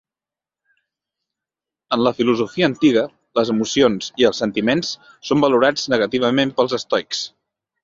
En la filosofia antiga, les emocions i els sentiments són valorats negativament pels estoics.